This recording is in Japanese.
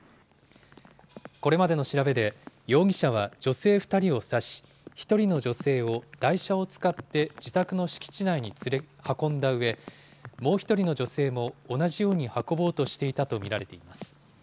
これまでの調べで、容疑者は女性２人を刺し、１人の女性を台車を使って自宅の敷地内に運んだうえ、もう１人の女性も同じように運ぼうとしていたと見られています。